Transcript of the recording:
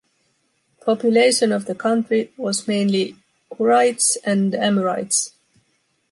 Population of the country was mainly Hurrites and Amorites.